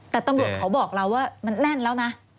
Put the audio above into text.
แต่ตำรวจเขาบอกเราว่ามันแน่นแล้วนะ